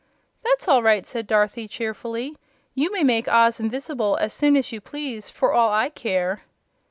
"That's all right," said Dorothy, cheerfully. "You may make Oz invis'ble as soon as you please, for all I care."